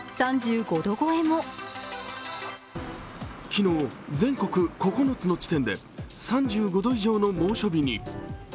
昨日、全国９つの地点で３５度以上の猛暑日に。